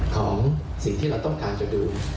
ของสิ่งที่เราต้องการจะดู